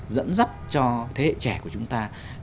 dẫn dắt cho thế hệ trẻ của chúng ta